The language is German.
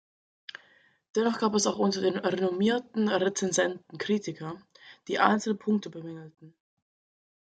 Dennoch gab es auch unter den renommierten Rezensenten Kritiker, die einzelne Punkte bemängelten.